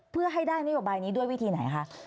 เพื่อให้ได้นโยบายนี้ด้วยวิธีไหนคะ